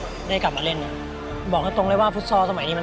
นอกจากนักเตะรุ่นใหม่จะเข้ามาเป็นตัวขับเคลื่อนทีมชาติไทยชุดนี้แล้ว